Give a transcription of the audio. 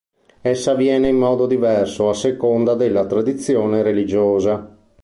Essa avviene in modo diverso a seconda della tradizione religiosa.